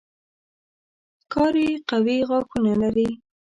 ښکاري قوي غاښونه لري.